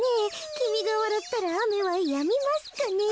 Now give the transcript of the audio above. きみがわらったらあめはやみますかねえ。